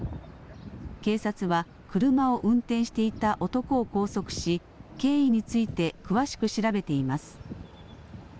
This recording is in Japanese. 警察は車を運転していた男を拘束し経緯について詳しく調べています。